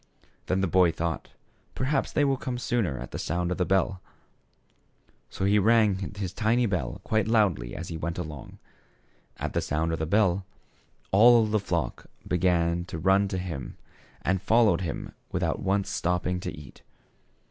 Then the boy thought, "Perhaps they will come sooner at the sound of the bell." So he rang his tiny bell quite loudly as he went along. At the sound of the bell, all the flock began to run to him, and followed him without once stop THE SHEPHERD BOY. 61 ping to eat.